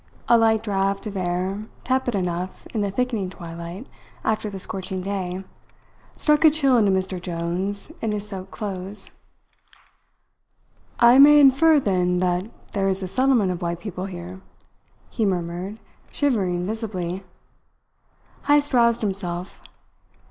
A light draught of air tepid enough in the thickening twilight after the scorching day, struck a chill into Mr. Jones in his soaked clothes. "I may infer, then, that there is a settlement of white people here?" he murmured, shivering visibly. Heyst roused himself.